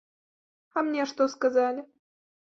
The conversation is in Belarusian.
А мне што сказалі?